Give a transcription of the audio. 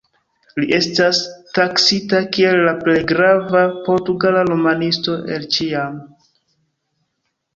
Li estas taksita kiel la plej grava portugala romanisto el ĉiam.